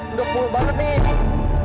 udah pul banget nih